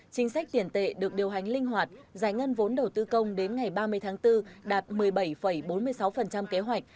chính sách tiền tệ được điều hành linh hoạt giải ngân vốn đầu tư công đến ngày ba mươi tháng bốn đạt một mươi bảy bốn mươi sáu kế hoạch